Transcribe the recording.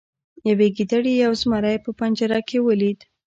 یوې ګیدړې یو زمری په پنجره کې ولید.